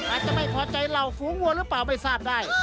อาจจะไม่พอใจเหล่าฝูงวัวหรือเปล่าไม่ทราบได้